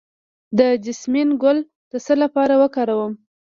د جیسمین ګل د څه لپاره وکاروم؟